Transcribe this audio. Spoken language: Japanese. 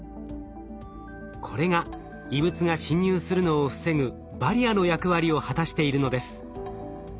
これが異物が侵入するのを防ぐバリアの役割を果たしているのです。